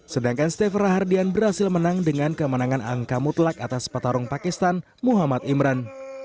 sedangkan stef rahardian berhasil menang dengan kemenangan angka mutlak atas petarung pakistan muhammad imran